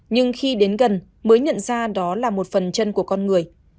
nhưng khi đến gần mới nhận ra đó là một phần chân của con người